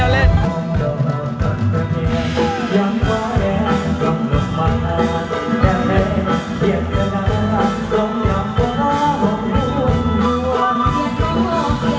อ๋อล้อเล่นล้อเล่น